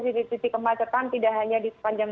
titik titik kemacetan tidak hanya di sepanjang